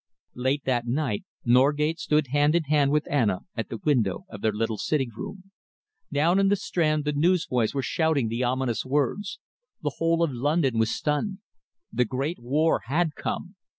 Late that night, Norgate stood hand in hand with Anna at the window of their little sitting room. Down in the Strand, the newsboys were shouting the ominous words. The whole of London was stunned. The great war had come!